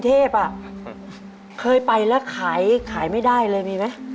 แถวบ้านเพราะเราขายไม่ได้มี